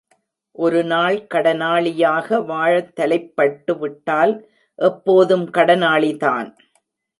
ஒரு நாள் கடனாளியாக வாழத்தலைப் பட்டுவிட்டால் எப்போதும் கடனாளிதான்.